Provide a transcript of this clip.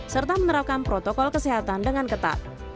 serta menerapkan protokol kesehatan dengan ketat